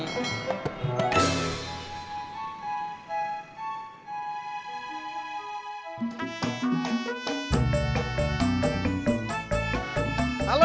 aku mau ke kantor